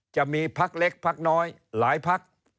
จะมีพักเล็กพักน้อยหลายพัก